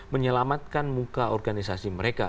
menyelamatkan muka organisasi mereka